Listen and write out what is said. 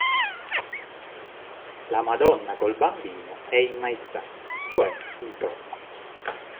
La Madonna col Bambino è in maestà, cioè in trono.